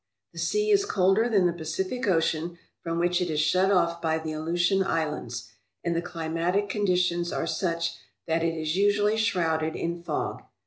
The sea is colder than the Pacific Ocean, from which it is shut off by the Aleutian Islands, and the climatic conditions are such that it is usually shrouded in fog.